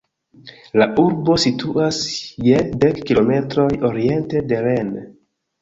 La urbo situas je dek kilometroj oriente de Rennes.